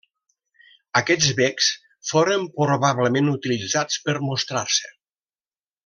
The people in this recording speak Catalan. Aquests becs foren probablement utilitzats per mostrar-se.